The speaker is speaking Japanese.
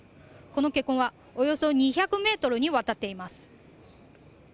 この血痕は、およそ２００ｍにわたっています。